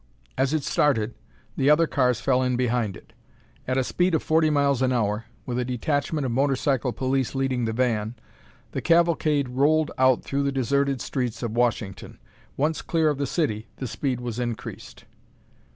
As it started the other cars fell in behind it. At a speed of forty miles an hour, with a detachment of motorcycle police leading the van, the cavalcade rolled out through the deserted streets of Washington. Once clear of the city, the speed was increased.